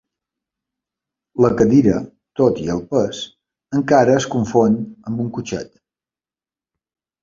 La cadira, tot i el pes, encara es confon amb un cotxet.